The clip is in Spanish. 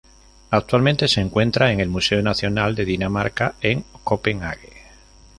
Actualmente se encuentra en el Museo Nacional de Dinamarca en Copenhague.